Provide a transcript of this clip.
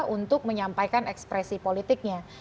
untuk menyampaikan ekspresi politiknya